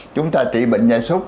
chúng ta trị bệnh dạy súc